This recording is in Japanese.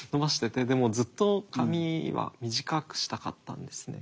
でもずっと髪は短くしたかったんですね。